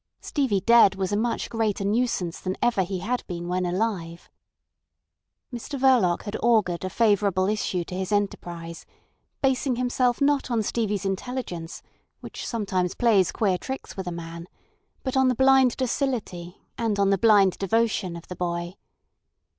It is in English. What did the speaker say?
Stevie dead was a much greater nuisance than ever he had been when alive. Mr Verloc had augured a favourable issue to his enterprise, basing himself not on Stevie's intelligence, which sometimes plays queer tricks with a man, but on the blind docility and on the blind devotion of the boy.